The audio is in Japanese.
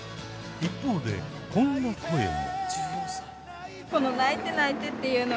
一方でこんな声も。